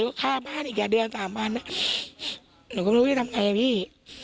ก็ฆ่าบ้านอีกอ่ะเดือนสามวันหนูก็ไม่รู้จะทำไงอ่ะพี่